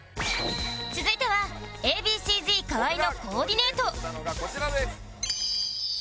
続いては Ａ．Ｂ．Ｃ−Ｚ 河合のコーディネートこちらです。